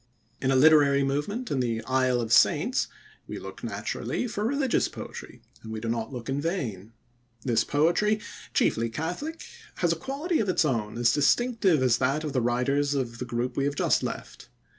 In a literary movement in the "Isle of Saints", we look naturally for religious poetry, and we do not look in vain. This poetry, chiefly Catholic, has a quality of its own as distinctive as that of the writers of the group we have just left.